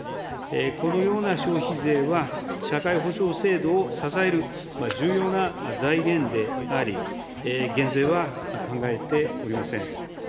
このような消費税は、社会保障制度を支える重要な財源であり、減税は考えておりません。